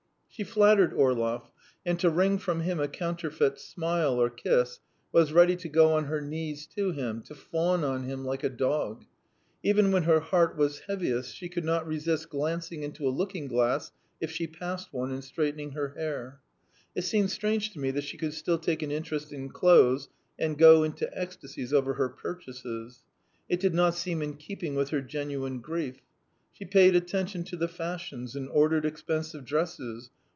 She flattered Orlov, and to wring from him a counterfeit smile or kiss, was ready to go on her knees to him, to fawn on him like a dog. Even when her heart was heaviest, she could not resist glancing into a looking glass if she passed one and straightening her hair. It seemed strange to me that she could still take an interest in clothes and go into ecstasies over her purchases. It did not seem in keeping with her genuine grief. She paid attention to the fashions and ordered expensive dresses.